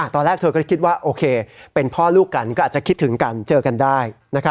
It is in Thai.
ตอนแรกเธอก็คิดว่าโอเคเป็นพ่อลูกกันก็อาจจะคิดถึงกันเจอกันได้